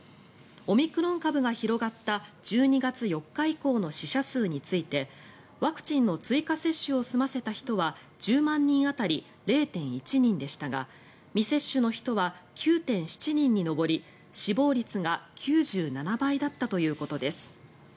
オミクロン株が広がった１２月４日以降の死者数についてワクチンの追加接種を済ませた人は１０万人当たり０．１人でしたが未接種の人は９．７人に上り死亡率が９７倍だったということです。